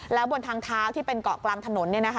แล้วบนทางเท้าที่เป็นเกาะกลางถนน